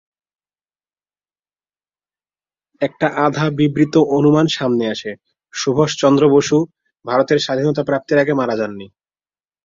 একটা আধা-বিবৃত অনুমান সামনে আসে: সুভাষচন্দ্র বসু ভারতের স্বাধীনতা প্রাপ্তির আগে মারা যাননি।